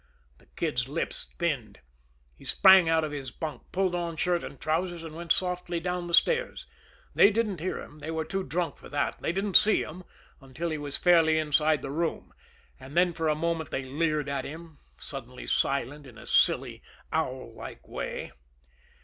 The Kid's lips thinned. He sprang out of his bunk, pulled on shirt and trousers, and went softly down the stairs. They didn't hear him, they were too drunk for that; and they didn't see him until he was fairly inside the room; and then for a moment they leered at him, suddenly silent, in a silly, owl like way.